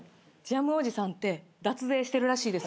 ジャムおじさんって脱税してるらしいですよ。